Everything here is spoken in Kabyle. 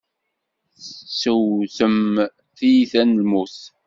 Tettewtem tiyita n lmut.